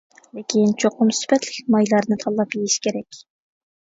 لېكىن چوقۇم سۈپەتلىك مايلارنى تاللاپ يېيىش كېرەك.